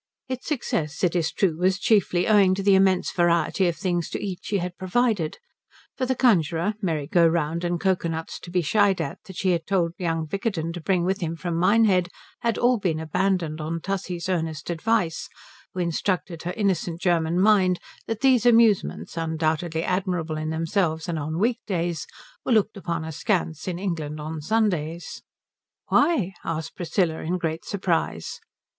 Its success it is true was chiefly owing to the immense variety of things to eat she had provided; for the conjuror, merry go round, and cocoa nuts to be shied at that she had told young Vickerton to bring with him from Minehead, had all been abandoned on Tussie's earnest advice, who instructed her innocent German mind that these amusements, undoubtedly admirable in themselves and on week days, were looked upon askance in England on Sundays. "Why?" asked Priscilla, in great surprise.